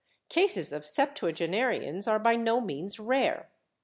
Cases of septuagenarians are by no means rare.